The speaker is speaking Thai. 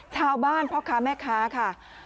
ชาวบ้านพ่อค้าแม่ค้าค่ะ